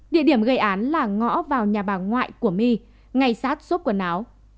địa điểm gây án là ngõ vào nhà bà ngoại của my ngay sát xốp quần áo